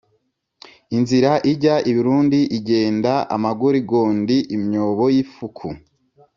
Inzira ijya i Burundi igenda amagorigondi.-Imyobo y'ifuku.